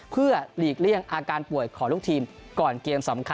เพื่อหลีกเลี่ยงอาการป่วยของลูกทีมก่อนเกมสำคัญ